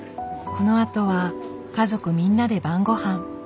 このあとは家族みんなで晩ごはん。